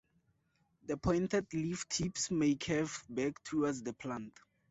The pointed leaf tips may curve back towards the plant.